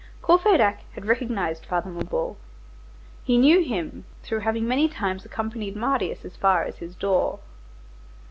Courfeyrac had recognized Father Mabeuf. He knew him through having many times accompanied Marius as far as his door.